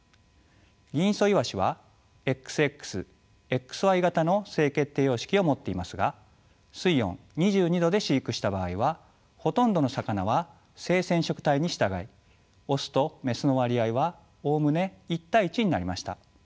ギンイソイワシはＸＸＸＹ型の性決定様式を持っていますが水温２２度で飼育した場合はほとんどの魚は性染色体に従いオスとメスの割合はおおむね１対１になりました。